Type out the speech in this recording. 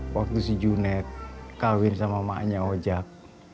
waktu si junet kawin sama emaknya ojak